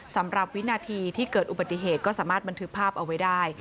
วินาทีที่เกิดอุบัติเหตุก็สามารถบันทึกภาพเอาไว้ได้